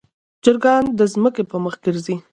چرګان د ځمکې پر مخ ګرځي.